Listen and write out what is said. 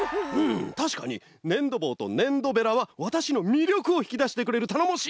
たしかにねんどぼうとねんどベラはわたしのみりょくをひきだしてくれるたのもしいなかまだよ。